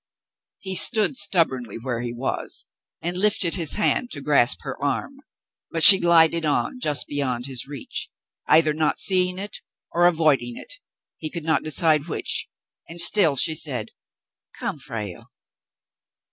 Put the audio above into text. He stood stubbornly where he was, and lifted his hand to grasp her arm, but she glided on just beyond his reach, either not seeing it, or avoiding it, he could not decide which, and still she said, "Come, Frale."